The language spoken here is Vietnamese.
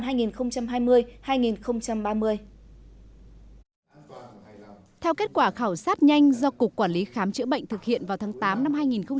theo kết quả khảo sát nhanh do cục quản lý khám chữa bệnh thực hiện vào tháng tám năm hai nghìn một mươi chín